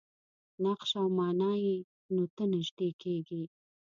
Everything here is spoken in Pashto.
نقش او معنا یې نو ته نژدې کېږي.